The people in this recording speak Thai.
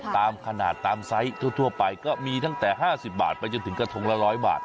ตามขนาดตามไซส์ทั่วไปก็มีตั้งแต่๕๐บาทไปจนถึงกระทงละ๑๐๐บาท